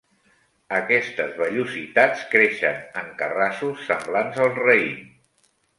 Aquestes vellositats creixen en carrassos semblants al raïm.